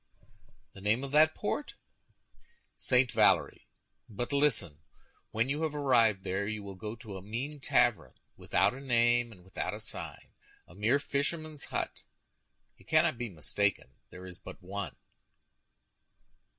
"The name of that port?" "St. Valery; but listen. When you have arrived there you will go to a mean tavern, without a name and without a sign—a mere fisherman's hut. You cannot be mistaken; there is but one."